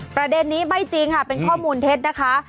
ประเด็นนี้ไม่จริงค่ะเป็นข้อมูลเท็จนะคะ